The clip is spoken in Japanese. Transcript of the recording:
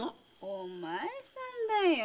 お前さんだよ。